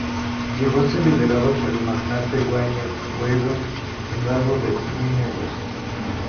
Llegó a ser liderado por el magnate Wayne Weaver, fundador de Nine West.